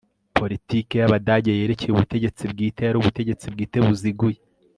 politike y'abadage yerekeye ubutegetsi bwite yari ubutegetsi bwite buziguye